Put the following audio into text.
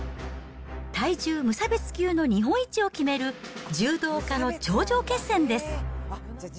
体重無差別級の日本一を決める柔道家の頂上決戦です。